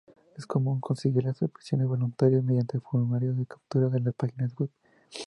Es común conseguir las suscripciones voluntarias mediante formularios de captura en las páginas web.